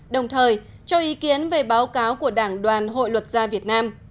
đồng thời cho ý kiến về báo cáo của đảng đoàn hội luật gia việt nam